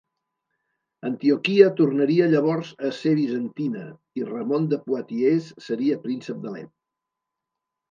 Antioquia tornaria llavors a ser bizantina, i Ramon de Poitiers seria príncep d'Alep.